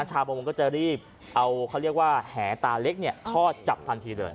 ชาโบมงก็จะรีบเอาแห่ตาเล็กเนี่ยทอดจับทันทีเลย